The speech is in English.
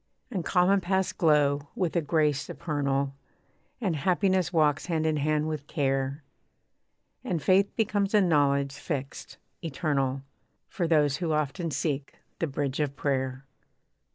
And common paths glow with a grace supernal, And happiness walks hand in hand with care, And faith becomes a knowledge fixed, eternal, For those who often seek the bridge of prayer.